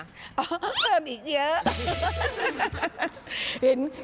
เพิ่มอีกเยอะ